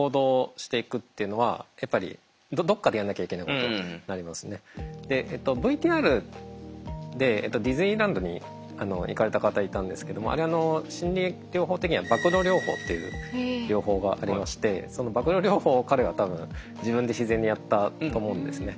原則として社交不安障害の時はＶＴＲでディズニーランドに行かれた方いたんですけどもあれ心理療法的には曝露療法っていう療法がありましてその曝露療法を彼は多分自分で自然にやったと思うんですね。